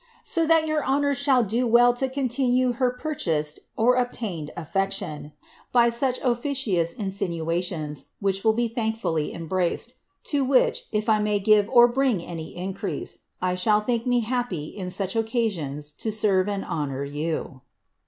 * So that youT honours shall do well to continue her jmrchaud (obtained) affection by such officious insinuations, which will be thankfully embraced ; to which, if I may give or bring any increase, I shall think me happy in such occasions to serve and honour you."